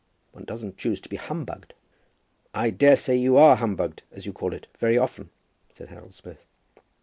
One doesn't choose to be humbugged." "I daresay you are humbugged, as you call it, very often," said Harold Smith.